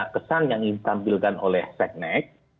kesan yang ditampilkan oleh ceknek